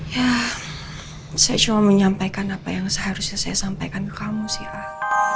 ya saya cuma menyampaikan apa yang seharusnya saya sampaikan ke kamu sih